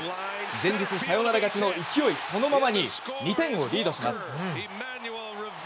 前日サヨナラ勝ちの勢いそのままに２点をリードします。